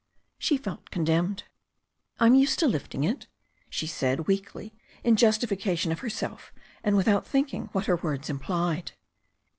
She felt condemned. "Fm used to lifting it/' she said weakly, in justification of herself, and without thinking what her words implied.